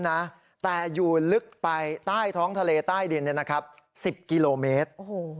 แต่อยู่ลึกไปใต้ท้องทะเลใต้ดิน๑๐กิโลเมตร